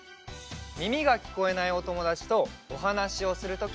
みみがきこえないおともだちとおはなしをするときや。